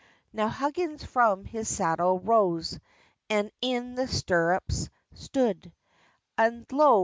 Now Huggins from his saddle rose, And in the stirrups stood: And lo!